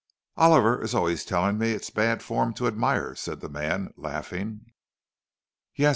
"Oliver is always telling me it's bad form to admire," said the man, laughing. "Yes?"